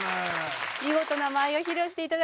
見事な舞を披露していただきました。